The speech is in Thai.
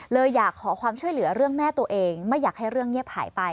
อยากขอความช่วยเหลือเรื่องแม่ตัวเองไม่อยากให้เรื่องเงียบหายไป